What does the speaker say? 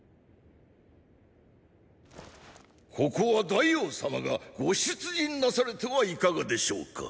ここは大王様がご出陣なされてはいかがでしょうか！